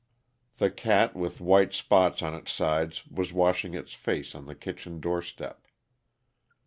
The cat with white spots on its sides was washing its face on the kitchen doorstep.